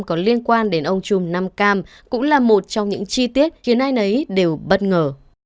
còn liên quan đến ông chùm nam cam cũng là một trong những chi tiết khiến ai nấy đều bất ngờ